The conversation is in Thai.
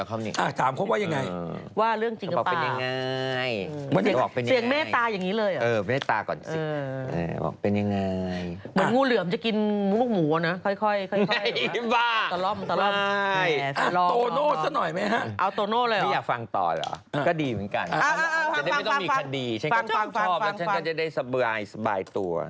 ก็นี่อีกหนึ่งคราว